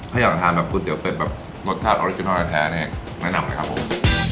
ถ้าอยากจะทานแบบก๋วเป็ดแบบรสชาติออริจินัลแท้เนี่ยแนะนำไหมครับผม